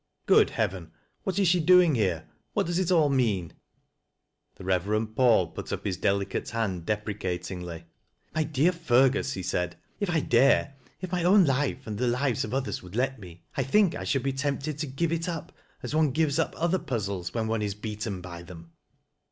Good Heaven ! what is she doing here ? "What does it all mean ?" The Eeverend Paul put up his delicate hand deprccat ingly. " My dear Fergus," he said, " if I dare — if my own life and the lives of others would let me — I think I should be tempted to give it up, as one gives up other puzzles, when one is beaten by them."